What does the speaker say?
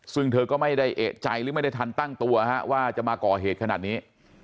ซึ่งเธอก็ไม่ได้เอกใจหรือไม่ได้ทันตั้งตัวว่าจะมาก่อเหตุขนาดนี้